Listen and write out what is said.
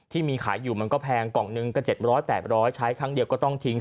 ที่มีขายอยู่มันก็แพงกล่องหนึ่งก็๗๐๐๘๐๐ใช้ครั้งเดียวก็ต้องทิ้ง